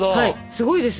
すごいです。